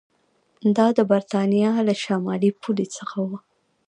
دا د برېټانیا له شمالي پولې څخه و